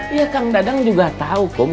ya kang dadang juga tau kum